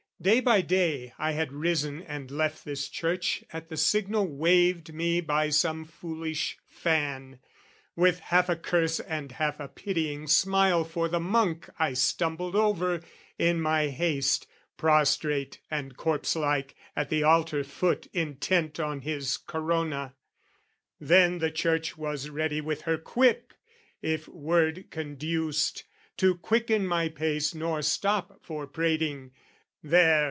Day by day I had risen and left this church At the signal waved me by some foolish fan, With half a curse and half a pitying smile For the monk I stumbled over in my haste, Prostrate and corpse like at the altar foot Intent on his corona: then the church Was ready with her quip, if word conduced, To quicken my pace nor stop for prating "There!